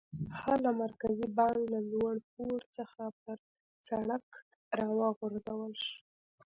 هغه له مرکزي بانک له لوړ پوړ څخه پر سړک را وغورځول شو.